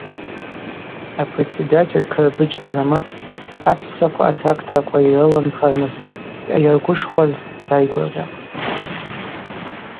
Апредседатель Кырбыджь Азамат ахӏвссаква атракторква йрыланхарныс йъайыргвышхваз дайгвыргъьахтӏ.